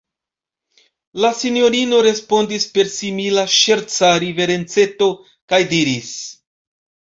La sinjorino respondis per simila ŝerca riverenceto, kaj diris: